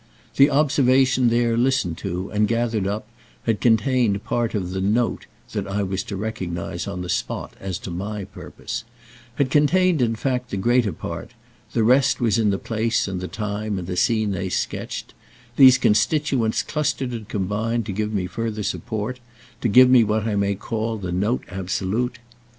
The observation there listened to and gathered up had contained part of the "note" that I was to recognise on the spot as to my purpose—had contained in fact the greater part; the rest was in the place and the time and the scene they sketched: these constituents clustered and combined to give me further support, to give me what I may call the note absolute.